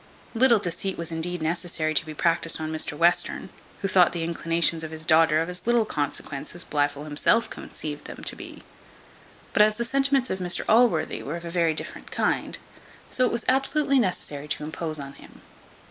Little deceit was indeed necessary to be practised on Mr Western; who thought the inclinations of his daughter of as little consequence as Blifil himself conceived them to be; but as the sentiments of Mr Allworthy were of a very different kind, so it was absolutely necessary to impose on him.